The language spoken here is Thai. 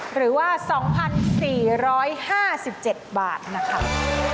๐๒๔๕๗หรือว่า๒๔๕๗บาทนะครับ